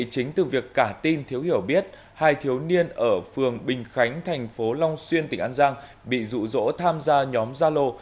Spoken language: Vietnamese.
chính từ việc cả tin thiếu hiểu biết hai thiếu niên ở phường bình khánh thành phố long xuyên tỉnh an giang bị rụ rỗ tham gia nhóm gia lô